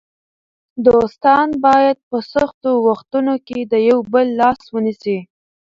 دوستان باید په سختو وختونو کې د یو بل لاس ونیسي.